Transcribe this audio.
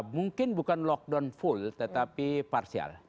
mungkin bukan lockdown full tetapi parsial